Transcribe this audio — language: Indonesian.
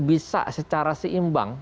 bisa secara seimbang